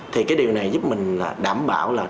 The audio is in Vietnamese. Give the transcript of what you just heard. thì cái điều này giúp mình đảm bảo là